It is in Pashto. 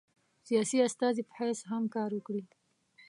سیاسي استازي په حیث هم کار وکړي.